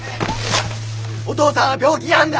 お父さんは病気なんだ！